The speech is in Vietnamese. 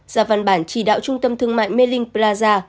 ra văn bản chỉ đạo trung tâm thương mại mê linh plaza